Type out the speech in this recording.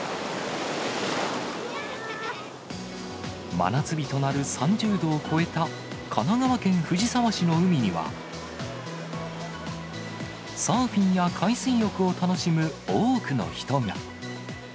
真夏日となる３０度を超えた神奈川県藤沢市の海には、サーフィンや海水浴を楽しむ多くの人が。